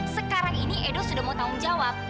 sekarang ini edo sudah mau tanggung jawab